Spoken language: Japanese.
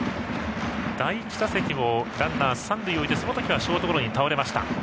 第１打席もランナーを１人置いてそのときもショートゴロに倒れました。